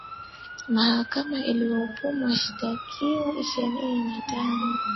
mahakama iliwahukumu washitakiwa ishirini na tano